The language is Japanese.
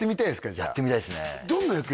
じゃあやってみたいですね